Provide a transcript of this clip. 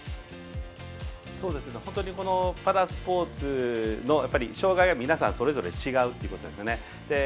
本当にパラスポーツの障がいは皆さんそれぞれ違うってことですよね。